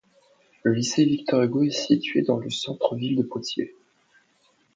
Le lycée Victor-Hugo est situé dans le centre-ville de Poitiers.